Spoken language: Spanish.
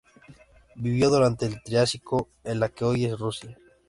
Vivió durante el Triásico en lo que hoy es Rusia.